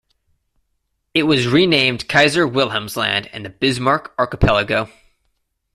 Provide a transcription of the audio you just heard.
It was renamed Kaiser-Wilhelmsland and the Bismarck Archipelago.